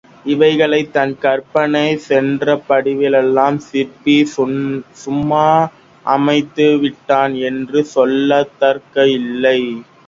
இவைகளைத் தன் கற்பனை சென்றபடியெல்லாம் சிற்பி சும்மா அமைத்துவிட்டான் என்று சொல்வதற்கில்லை.